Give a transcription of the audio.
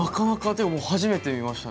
初めて見ました。